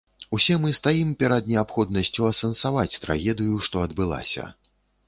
Усе мы стаім перад неабходнасцю асэнсаваць трагедыю, што адбылася.